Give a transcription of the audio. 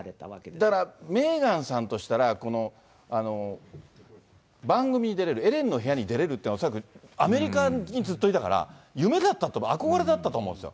だからメーガンさんとしたら、番組に出れる、エレンの部屋に出れるっていうのは恐らくアメリカにずっといたから夢だったと思う、憧れだったと思うんですよ。